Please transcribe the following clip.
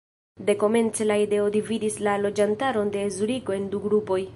Dekomence la ideo dividis la loĝantaron de Zuriko en du grupoj.